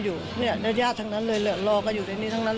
พูดสิทธิ์ข่าวธรรมดาทีวีรายงานสดจากโรงพยาบาลพระนครศรีอยุธยาครับ